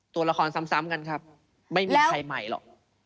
ตัวละครซ้ำกันครับไม่มีใครใหม่หรอก